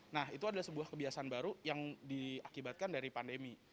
nah itu adalah sebuah kebiasaan baru yang diakibatkan dari pandemi